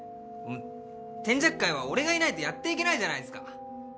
天雀会は俺がいないとやって行けないじゃないっすか。